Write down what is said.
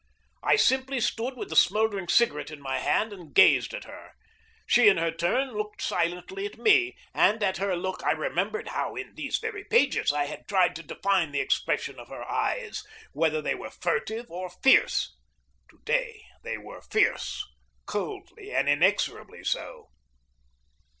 I simply stood with the smouldering cigarette in my hand, and gazed at her. She in her turn looked silently at me, and at her look I remembered how in these very pages I had tried to define the expression of her eyes, whether they were furtive or fierce. To day they were fierce coldly and inexorably so.